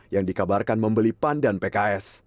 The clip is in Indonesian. yang dikabarkan membeli pan dan pks